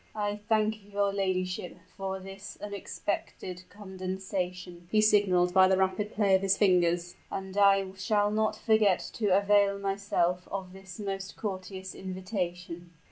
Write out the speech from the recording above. "I thank your ladyship for this unexpected condescension," he signaled by the rapid play of his fingers; "and I shall not forget to avail myself of this most courteous invitation."